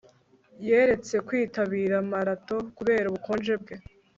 yaretse kwitabira marato kubera ubukonje bwe